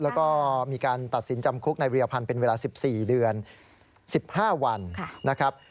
แล้วก็มีการตัดสินจำคุกในวิรพันธ์เป็นเวลา๑๔เดือน๑๕วันนะครับ